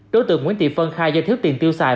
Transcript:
đối tượng nguyễn thị phân khai do thiếu tiền tiêu xài